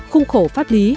khung khổ pháp lý